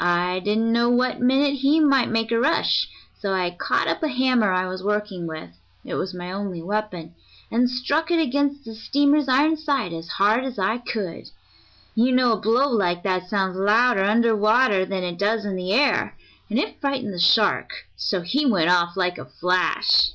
I didn't know what minute he might make a rush, so I caught up a hammer I was working with it was my only weapon and struck it against the steamer's iron side as hard as I could. You know a blow like that sounds louder under water than it does in the air, and it frightened the shark so he went off like a flash."